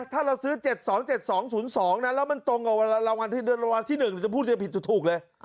ถ้าเราซื้อ๗๒๗๒๐๒นะแล้วมันตรงกับรางวัลที่๑จะพูดจะผิดจะถูกเลย